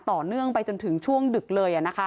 ต่อเนื่องไปจนถึงช่วงดึกเลย